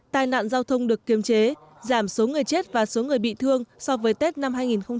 tai nạn giao thông được kiềm chế giảm số người chết và số người bị thương so với tết năm hai nghìn một mươi chín